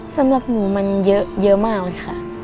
สำหรับหนูมันเยอะมากเลยค่ะ